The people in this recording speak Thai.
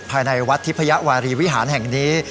ภายในวัดทิพยวารีวิหารแห่งนี้